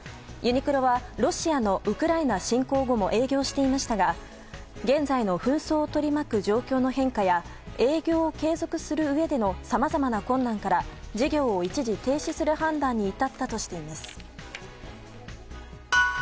ユニクロはロシアのウクライナ侵攻後も営業していましたが現在の紛争を取り巻く状況の変化や営業を継続するうえでのさまざまな困難から事業を一時停止する判断に至ったとしています。